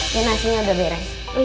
nah nasinya udah beres